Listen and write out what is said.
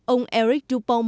ông eric dupont